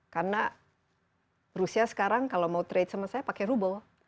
karena rusia sekarang kalau mau trade sama saya pakai ruble